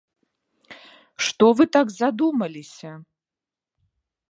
Што вы так задумаліся?